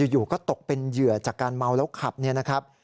อยู่ก็ตกเป็นเหยื่อจากการเมาแล้วขับเนี่ยนะครับ